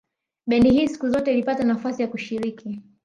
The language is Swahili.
Bendi hii siku zote ilipata nafasi ya kushiriki